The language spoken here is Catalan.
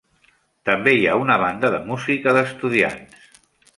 També hi ha una banda de música d'estudiants.